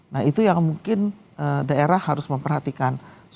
nah itu yang mungkin daerah harus memperhatikan